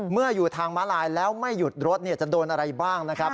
อยู่ทางม้าลายแล้วไม่หยุดรถจะโดนอะไรบ้างนะครับ